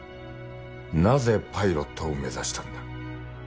なぜパイロットを目指したんだ。